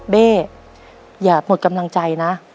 เบ้อย่าหมดกำลังใจนะ